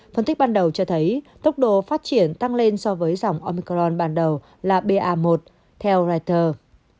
phân tích ban đầu cho thấy tốc độ phát triển tăng lên so với dòng omicron ban đầu là ba một theo reuters